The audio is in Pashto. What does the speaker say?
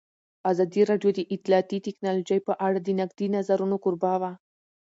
ازادي راډیو د اطلاعاتی تکنالوژي په اړه د نقدي نظرونو کوربه وه.